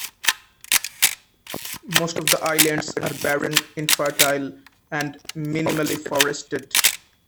Most of the islands are barren, infertile and minimally forested.